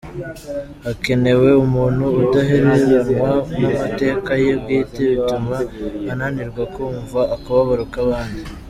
Hakenewe umuntu udaheranwa n’amateka ye bwite bituma ananirwa kumva akababaro k’abandi.